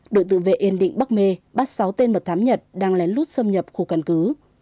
đội tự vệ yên định bắc mê bắt sáu tên mật thám nhật đang lén lút xâm nhập khu căn cứ